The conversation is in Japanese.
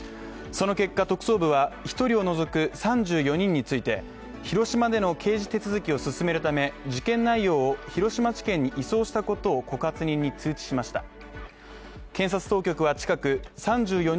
その結果、特捜部は１人を除く３４人について広島での刑事手続きを進めるため事件内容を広島地検に移送したことを告発人に通知しました。